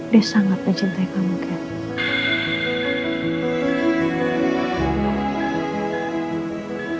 dia sangat mencintai kamu kita